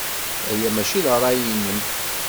Aya maci d ṛṛay-nnem.